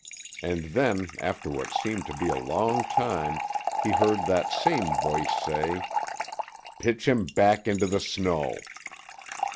and then, after what seemed to be a long time, he heard that same voice say, "Pitch him back into the snow."